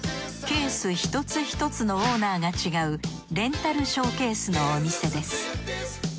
ケース一つ一つのオーナーが違うレンタルショーケースのお店です。